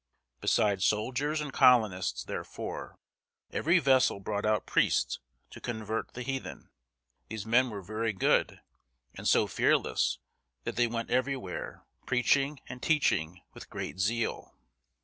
Besides soldiers and colonists, therefore, every vessel brought out priests to convert the heathen. These men were very good, and so fearless that they went everywhere, preaching and teaching with great zeal.